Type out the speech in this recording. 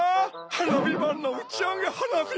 はなびまんのうちあげはなび。